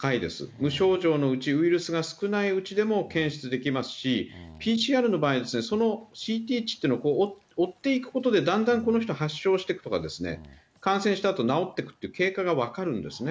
無症状のうち、ウイルスが少ないうちでも検出できますし、ＰＣＲの場合、そのＣＴ値っていうのを追っていくことで、だんだんこの人発症していくとか、感染したあと治っていくっていう経過が分かるんですね。